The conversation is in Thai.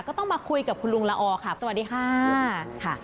ก็ต้องมาคุยกับคุณลุงละออค่ะสวัสดีค่ะ